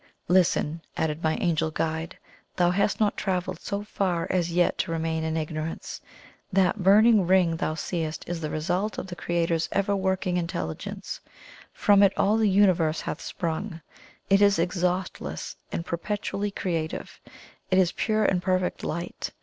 "Listen!" added my Angel guide. "Thou hast not travelled so far as yet to remain in ignorance. That burning Ring thou seest is the result of the Creator's ever working Intelligence; from it all the Universe hath sprung. It is exhaustless and perpetually creative; it is pure and perfect Light.